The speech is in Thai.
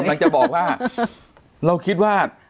กำลังจะบอกว่าเราคิดว่า